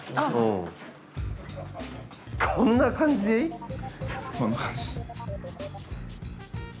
こんな感じです。